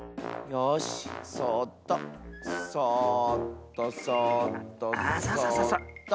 よしそっとそっとそっとそっと。